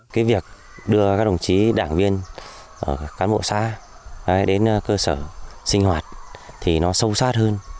cái việc đưa các đồng chí đảng viên cán bộ xa đến cơ sở sinh hoạt thì nó sâu sát hơn